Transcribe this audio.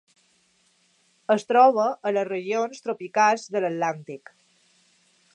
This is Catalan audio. Es troba a les regions tropicals de l'Atlàntic.